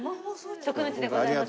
徳光でございます。